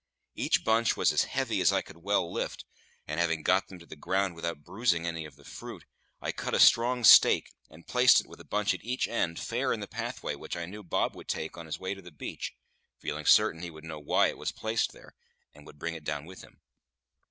Each bunch was as heavy as I could well lift, and, having got them to the ground without bruising any of the fruit, I cut a strong stake, and placed it, with a bunch at each end, fair in the pathway which I knew Bob would take on his way to the beach, feeling certain he would know why it was placed there, and would bring it down with him.